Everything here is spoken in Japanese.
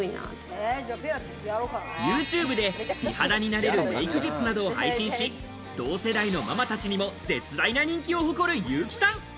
ＹｏｕＴｕｂｅで美肌になれるメイク術などを配信し、同世代のママたちにも絶大な人気を誇る優木さん。